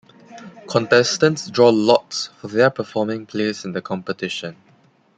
Contestants draw lots for their performing place in the competition.